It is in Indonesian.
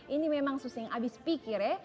ini memang susing habis pikir ya